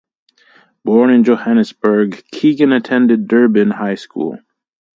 Born in Johannesburg, Keegan attended Durban High School.